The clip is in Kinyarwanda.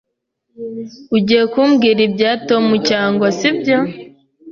Ugiye kumbwira ibya Tom cyangwa sibyo?